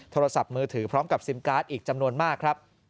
โทรศัพท์มือถือพร้อมกับซิมการ์ดอีกจำนวนมากครับ